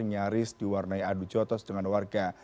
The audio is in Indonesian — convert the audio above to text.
nyaris diwarnai adu jotos dengan warga